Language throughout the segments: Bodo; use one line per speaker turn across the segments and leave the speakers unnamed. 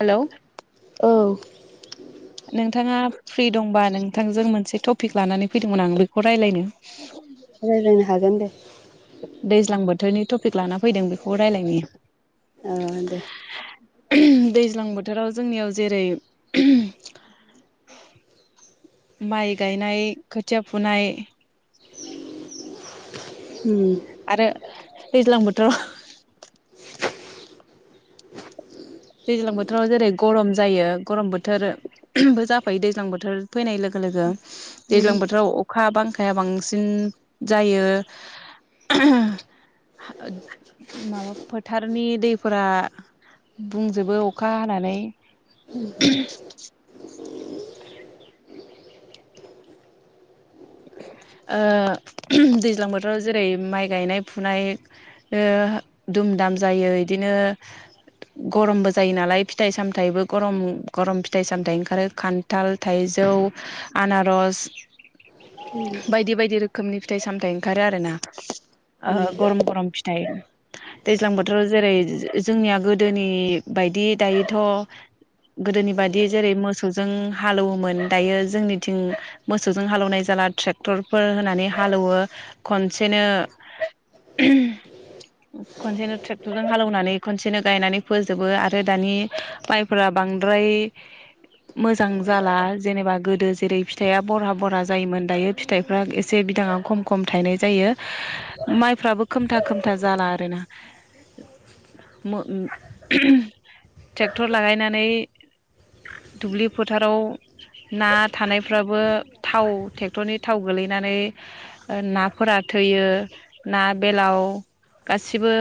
हेलौ
औ
नोंथाङा फ्रि दंबा नोंथांजों मोनसे टपिक लानानै फैदोंमोन आं बेखौ रायलायनो।
रायलायनो हागोन दे
दैज्लां बोथोरनि टपिक लाना फैदों बेखौ रायलायनो
ओ दे
दैज्लां बोथोराव जोंनियाव जेरै माइ गायनाय खोथिया फुनाय
उम
दैज्लां बोथोराव दैज्लां बोथोराव जेरै गरम जायो गरम बोथोरबो जाफैयो दैज्लां बोथोर फैनाय लोगो लोगो
उम
दैज्लां बोथोराव अखा बांखाया बांसिन जायो माबा फोथारनि दैफोरा बुंजोबो अखा हानानै। ओ दैज्लां बोथोराव जेरै माइ गायनाय फुनाय ओ दुम दाम जायो इदिनो गरमबो जायो नालाय फिथाइ सामथाइबो गरम गरम फिथाइ सामथाइ ओंखारो खान्थाल थाइजौ आनारस बायदि बायदि रो खोमनि फिथाइ सामथाइ ओंखारो आरोना ओ गरम गरम फिथाइ दैज्लां बोथोराव जेरै जोंनिया गोदोनि बायदि दायोथ' गोदोनि बादि जेरै मोसौजों हालौवोमोन दायो जोंनिथिं मोसौजों हालौनाय दाना ट्रेक्टरफोर होनानै हालौवो खनसेनो खनसेनो ट्रेक्टरजों हालौनानै खनसेनो गायनानै फोजोबो आरो दानि माइफोरा बांद्राय मोजां जाला जेनेबा गोदो जेरै फिथाया बरहा बरहा जायोमोन दायो फिथाइफ्रा एसे बिदाङा खम खम थायनाय जायो माइफ्राबो खोमथा खोमथा जाला आरोना मो ट्रेक्टर लागायनानै दुब्लि फोथाराव ना थानायफ्राबो थाव ट्रेक्टरनि थाव गोलैनानै नाफोरा थैयो ना बेलाव गासिबो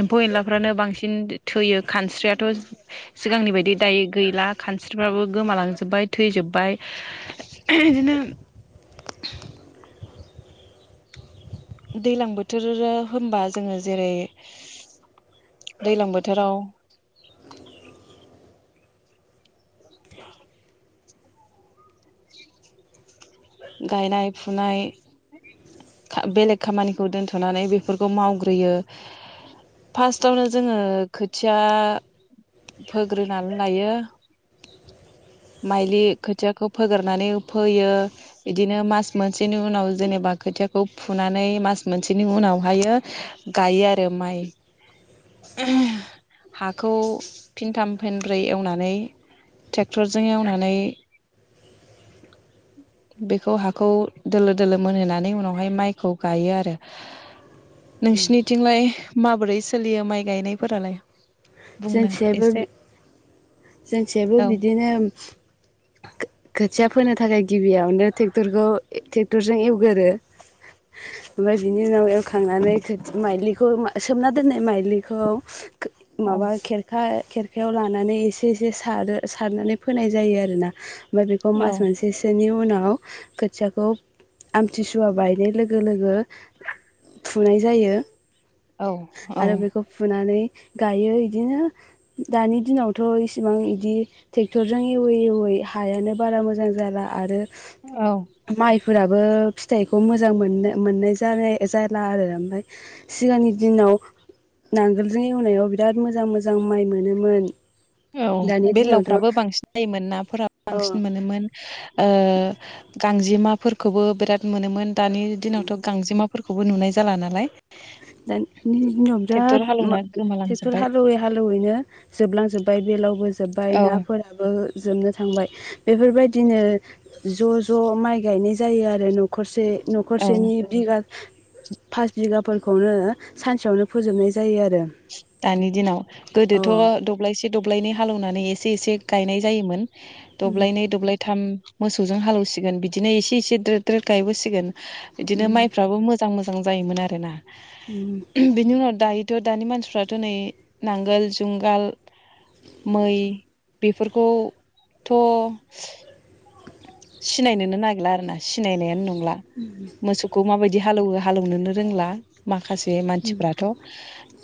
एम्फौ एनलाफ्रानो बांसिन थैयो खानस्रियाथ' सिगांनि बायदि दायो गैला खानस्रिफ्राबो गोमालांजोबबाय थैजोब्बाय। बिदिनो दैलां बोथोर होनबा जोङो जेरै दैलां बोथोराव गायनाय फुनाय बेलेग खामानिखौ दोनथ'नानै बेफोरखौ मावग्रोयो फार्स्टआवनो जोङो खोथिया फोग्रोनानै लायो माइलि खोथियाखौ फोग्रोनानै फोयो। बिदिनो मास मोनसेनि उनाव जेनेबा खोथियाखौ फुनानै मास मोनसेनि उनावहायो गायो आरो माइ [unintelligible] हाखौ फिनथाम फेनब्रै एवनानै ट्रेक्टरजों एवनानै बेखौ हाखौ दोलो दोलो मोनहोनानै उनावहाय माइखौ गायो आरो। नोंसिनिथिंलाय माबोरै सोलियो माइ गायनायफोरालाय? बुंनो
जोंथिजायाबो
एसे
बि जोंथिजायबो
औ
बिदिनो खो-खोथिया फोनो थाखाय गिबियावनो ट्रेक्टरखौ ट्रेक्टरजों एवगोरो ओमफ्राय बिनि उनाव एवखांनानै माइलिखौ सोमना दोननाय माइलिखौ
औ
माबा खेरखा खेर आखायाव लानानै एसे एसे सारो सारनानै फोनाय जायो आरोना ओमफ्राय बेखौ
औ
मास मोनसेसोनि उनाव खोथियाखौ आमथिसुवा बायनाय लोगो लोगो फुनाय जायो।
औ औ
आरो बेखौ फुनानै गायो इदिनो दानि दिनावथ' इसिबां इदि ट्रेक्टरजों एवै एवै हायानो बारा मोजां जाला आरो
औ
फोराबो फिथाइखौ मोजां मोननो मोननाय जालाय जाला आरो ओमफ्राय सिगांनि दिनाव नांगोलजों एवनायाव बिराद मोजां मोजां माइ मोनोमोन
औ
दानि दिनावथ'
बेललावफ्राबो बांसिन जायोमोन नाफोराबो
अ
बांसिन मोनोमोन गांजेमाफोरखौबो बिराद मोनोमोन दानि दिनावथ' गांजेमा फोरखौबो नुनाय जाला नालाय
दानि दिनाव
ट्रेक्टर
बिराद मा
हालौवना
टेक्टर
गोमालांजोबबाय
हालौवै हालेवैनो जोबलांजोब्बाय बेलावबो जोब्बाय
औ
नाफोराबो जोबनो थांबाय बेफोरबायदिनो ज' ज' माइ गायनाय जायो आरो न'खरसे
औ
न'खरसेनि बिगा फास बिगाफोर खौनो सानसेयावनो फोजोबनाय जायो आरो
दानि दिनाव गोदोथ' दब्लायसे दब्लायनै हालौवनानै एसे एसे गायनाय जायोमोन दब्लायनै दब्लायथाम मोसौजों हालौसिगोन बिदिनो एसे एसे द्रोद द्रद गायबोसिगोन बिदिनो माइफ्राबो मोजां मोजां जां जायोमोन आरोना बिनि दायो दानि मानसिफ्रा नै नांगोल जुंगाल मै बेफोरखौथ' सिनायनोनो नागिरला आरो ना सिनायनायानो नं ला मोसौखौ माबायदि हा हालौवो हालौवनोनो रोंला माखा खासे मानसिफ्राथ'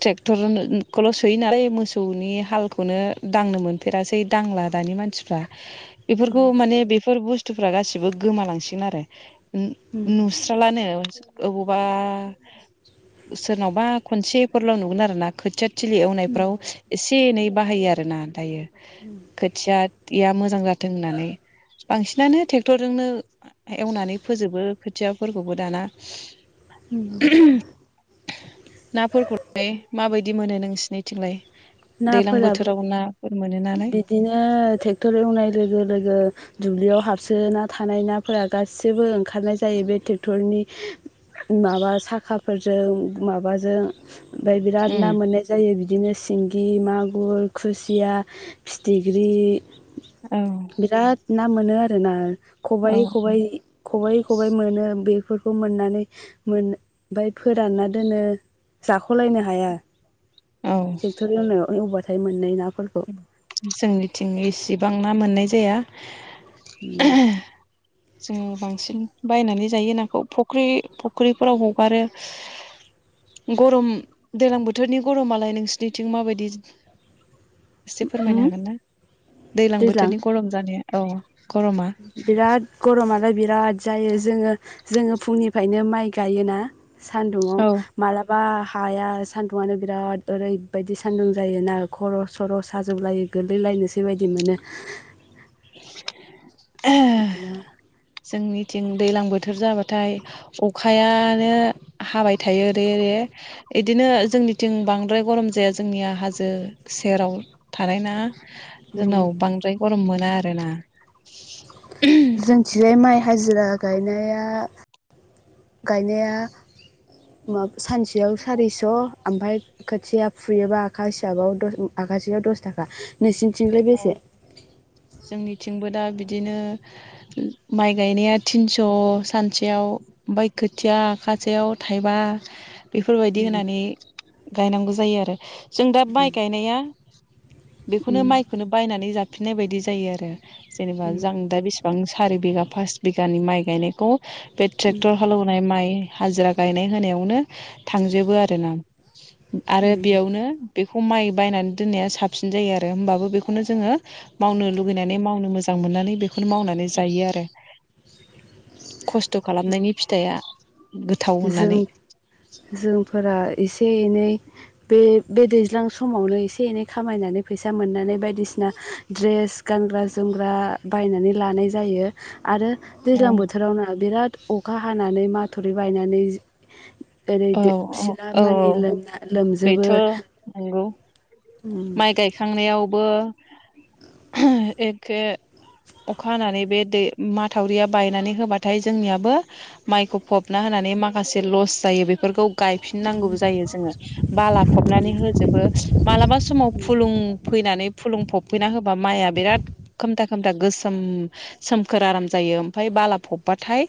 ट्रेक्टर खौल' सोयो नालाय मोसौनि हालखौनो दांनो मोनफेरासै दांला दानि मानसिफ्रा। बेफोरखौ माने बे बुस्थुफ्रा गासिबो गोमालांसिगोन आरो।
अ
नु-नुस्रालानो। ओबावबा सोरनावबा खनसेफोरल' नुगोन आरो ना। खोथिया थिलि एवनायफ्राव एसे ए एनै बाहायो आरोना दायो। खोथिया इया मो जां जाथों होननानै। बांसिनानो टेक्टरजोंनो एवनानै फोजोबो। खोथियाफोरखौबो दाना नाफोरखौहाय माबाय दि मोनो नोंसिनिथिंलाय? दैज्लां
नाफोराबो
बोथोराव नाफोर मोनो नालाय
बिदिनो टेक्टर एवनाय लोगो लोगो दुब्लियाव हाबसोना थानाय नाफोरा गासैबो ओंखारनाय जायो बे ट्रेक्टरनि माबा साखाफोरजों माबाजों ओमफाय बिराद
उम
ना मोननाय जायो बिदिनो सिंगि, मागुर, खुसिया, फिथिख्रि,
औ
बिराद ना मोनो आरोना?
औ
खबायै खबाइ खबायै खबाइ मोनो बे फोरखौ मोननानै मोन ओमफाय फोरानना दोनो जाख'लायनो हाया।
औ
ट्रेक्टर एवनायाव एवबा थाय मोननाय ना
जोंनिथिं इसेबां ना मोननाय जाया। [unintelligible] जों बांसिन बायनानै जायो नाखौ। फख्रि फख्रिफोराव हगारो। गरम दैलां बोथोरनि गरमालाय नोंसिनिथिं माबायदि? एसे फोरमायनो हागोन ना दैलां
दैज्लां
बोथोरनि गरम जानाया औ। गरमा
बिराद गर'मालाय बिराद जायो जोङो जोङो फुंनिफायनो माइ गायोना।
औ
सान्दुंआव मालाबा हाया सान्दुंआनो बिराद ओरैबायदि सान्दुं जायोना खर' सर' साजोबलायो गोलैलायनोसै बायदि मोनो।
[inaudible]
ना
जोंनिथिं दैलां बोथोर जाबाथाय अखायानो हाबाय थायो रे रे इदिनो जोंनिथिं बांद्राय गरम जाया जोंनिया हाजो सेराव थानाय ना। जोंनाव बांद्राय गरम मोना मोना।
जोंथिंजाय माइ हाजिरा गायनाया गायनाया मा सानसेयाव सारिस'। ओमफाय खोथिया फुयोबा आखा हिसाबाव दस आखासेयाव दस थाखा। नोंसिनिथिंलाय
औ
बेसे
जोंनिथिंबो दा बिदि दिनो माइ गायनाया थिनस' सानसेयाव ओमफाय खोथिया आखासेयाव थाइबा। बेफोरबायदि होनानै गायनांगौ जायो आरो। जों दा माइ गायनाया [inaudible] बेखौनो माइ नानै जाफिननाय बायदि जायो आरो। जेनोबा जां दा बेसिबां सारि बिघा फास बिगानि माइ गायनायखौ बे ट्रेक्टर हालेवनाय माइ हाजिरा गायनाय होनायावनो थांजोबो आरोना। आरो बेयावनो बे हमाय बायनानै दोननाया साबसिन जायो आरो होमबाबो बेखौ खौनो जोङो मावनो लुगैनानै मावनो मोजां मोननानै बे फोर मावनानै जायो आरो। [inaudible] खस्थ' खालामनायनि फिथाइया गोथाव
जों
होननानै
जोंफोरा एसे एनै बे बे दै दैज्लां समावनो एसे एनै खामायनानै फैसा मोननानै बायदिसिना ड्रेस गानग्रा जोमग्रा बायनानै लानाय जायो आरो
औ
दैज्लां बोथोरावनो बिराद अखा हानानै माथुरि बायनानै ओरै
औ
दो
औ औ
सिलामानि लोमना
बेथ'
लोमजोबो।
नंगौ माइ गायखांनायावबो एखे अखा हानानै बे दै माथावरिया बायनानै होबाथाय जोंनियाबो माइखौ फबना होनानै माखासे लस जायो बेफोरखौ गायफिननांगौबो जायो जोङो। बाला फबनानै होजोबो मालाबा स फुलुं फैनानै फुलुं फबफैना होबा माइआ बिराद खोमथा खोमथा गोसोम सोमखोर आराम जायो ओमफ्राय बाला फबबाथाय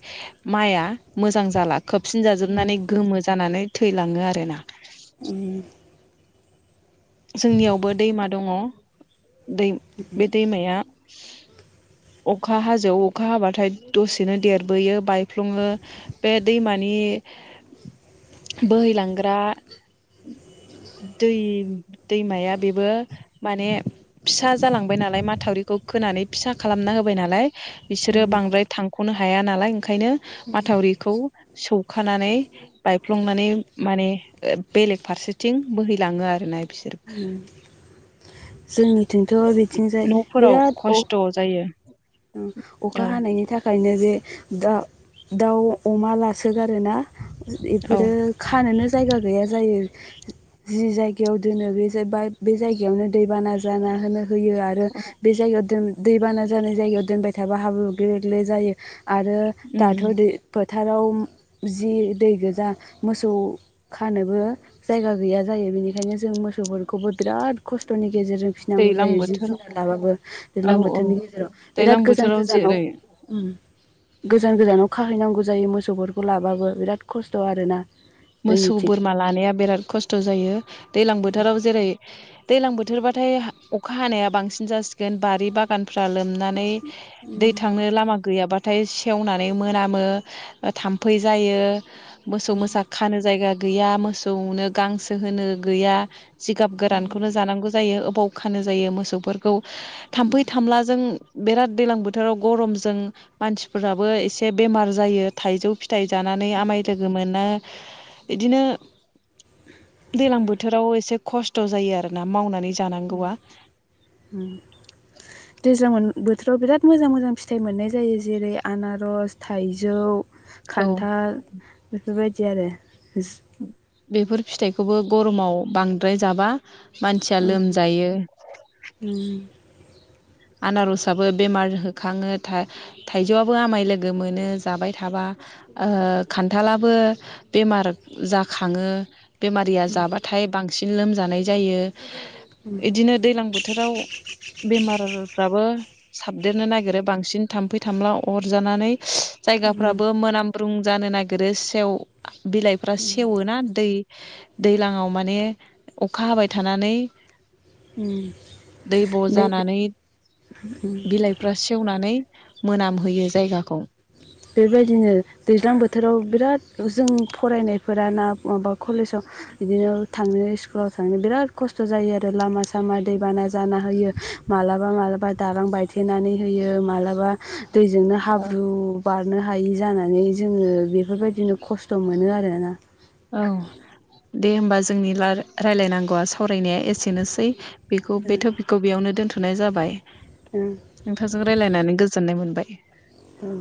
माइआ मोजां जाला। खोबसिन जाजोबनानै गोमो जानानै थैलाङो आरोना। जोंनियावबो दैमा दङ। दै बे दैमाया [inaudible] अखा हाजोआव अखा हाबाथाय दसेनो देरबोयो बायफ्ल'ङो बे दैमानि बोहैलांग्रा दै दैमाया बेबो माने फिसा जालांबाय नालाय माथावरिखौ खोनानै फिसा खालामना होबाय नालाय। बिसोरो बांद्राय थांख'नो हाया नालाय। ओंखायनो माथावरिखौ सौ खानानै बायफ्लंनानै माने बेलेग फारसेथिं बोहैलाङो आरोना। बिसोर
उम जोंनिथिंथ' बिथिंजाय
न'फोराव
बिराद अ
खस्थ' [inaudible]
अखा
औ
हानायनि थाखायनो जे दा दाउ अमा लासोगारोना?
औ
इफोरो खानोनो जायगा गैया जायो जि जायगायाव दोनो बे बा बे जायगायावनो दैबाना जाना होनो होयो आरो
औ
बे जायगायाव दैबाना जानाय जायगायाव दोनबाय थाबा हाबु ग्ले ग्ले जायो। आरो दाथ' दै फोथाराव जि दै गोजा मोसौ खानोबो जायगा गैया जायो बेनिखायनो जों मोसौफोरखौबो बिराद खस्थ'नि गेजेरजों फिनांगौ
दैज्लां
जायो जिब
बोथोराव
जुनार लाबाबो
औ
दैलां बोथोरनि
औ
गेजेराव। बिराद
दैज्लां
गोजान
बोथोराव
गोजानाव
जेरै
उम गोजान गोजानाव खाहैना नांगौ जायो मोसौफोरखौ लाबाबो बिराद खस्थ' आरोना।
मोसौ
जोंनिथिं
बोरमा लानाया बिराद खस्थ' जायो। दैलां बोथोराव जेरै दैलां बोथोरबाथाय अखा हानाया बांसिन जासिगोन बारि बागानफ्रा लोमनानै दै थांनो लामा गैयाबा हाथाय सेवनानै मोनामो ओ थाम्फै जायो। मोसौ मोसा जायगा गैया मोसौनो गांसो होनो गैया जिगाब गोरानखौनो जानांगौ जायो बावखानो जायो मोसौफोरखौ। थाम्फै थामलाजों बिराद दैज्लां बोथोराव गरमजों मानसिफोराबो एसे बेमार जायो थाइजौ फिथाइ जानानै आमाय लोगो मोनो। बिदिनो दैलां बोथोराव एसे खस्थ' जायो आरोना मावनानै जानांगौ आ।
दैजां बोथोराव बिराद मोजां मोजां फिथाइ मोननाय जायो जेरै आनारस थाइजौ
औ
खान्थाल बेबायदि आरो।
बेफोर फिथाइखौबो गरमाव बांद्राय जाबा मानसिया लोमजायो। आनारसाबबो बेमार होखाङो थाइजौआबो आमाय लोगो मोनो जाबाय थाबा खान्थालाबो बेमार जाखाङो। बेमारिया जाबाथाय बां सिन लोमजानाय जायो। इदिनो दैलां बोथोराव बेमार साबदेरनो नागिरो बांसिन थाम्फै थामला अरजानानै जायगाफ्राबो
ओमफ्राय
मोनामब्रुं जानो नागिरो सेव बिलाइफ्रा सेवोना दै दैलांआव माने अखा हाबाय थानानै दैब' जानानै बिलाइफ्रा सेवना नै मोनामहोयो जायगाखौ।
बेबायदिनो दैज्लां बोथ थोराव बिराद जों फरायनायफोरा ना माबा खलेजाव बिदिनो थांनो स्कुलाव थांनो बिराद खस्थ' जायो आरो लामा सामा दैबाना जाना होयो मालाबा मालाबा दालां बायथेनानै होयो मालाबा दैजोंनो हाब्रु हायि जानानै जोङो बेफोरबायदिनो खस्थ' मोनो आरोना।
औ दे होमबा जोंनि रा रायलायनांगौआ सावरायनाया एसेनोसै। बेखौ बे थपिकखौ बेयावनो दोनथ' थनाय जाबाय।
ओं
नोंथांजों रायलायनानै गोजोननाय मोन बाय।
औ।